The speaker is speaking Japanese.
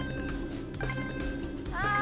ああ。